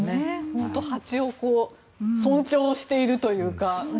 本当にハチを尊重しているというか。